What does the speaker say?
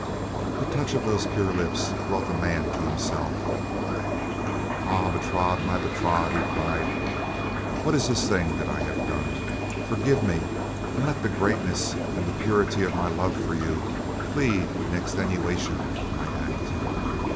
The touch of those pure lips brought the man to himself. "Ah, Bertrade, my Bertrade," he cried, "what is this thing that I have done! Forgive me, and let the greatness and the purity of my love for you plead in extenuation of my act."